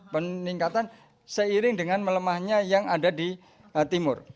peningkatan seiring dengan melemahnya yang ada di timur